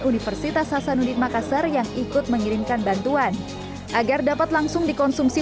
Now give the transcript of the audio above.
universitas hasanuddin makassar yang ikut mengirimkan bantuan agar dapat langsung dikonsumsi